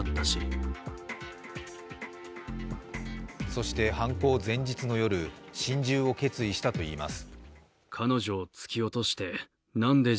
そして犯行前日の夜、心中を決意したといいます。